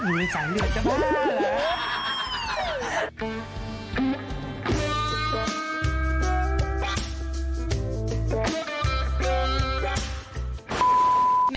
อยู่ในสายเลือดใช่ปะ